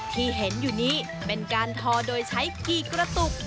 ที่เห็นอยู่นี้เป็นการทอโดยใช้กี่กระตุก